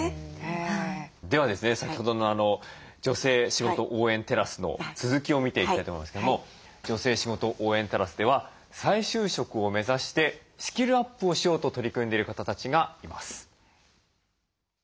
では先ほどの女性しごと応援テラスの続きを見ていきたいと思いますけども女性しごと応援テラスでは再就職を目指してスキルアップをしようと取り組んでいる方たちがいます。